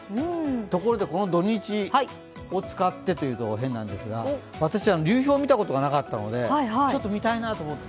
ところでこの土日を使ってというと変なんですが、私は流氷を見たことがなかったのでちょっと見たいなと思って。